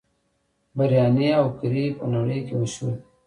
بریاني او کري په نړۍ کې مشهور دي.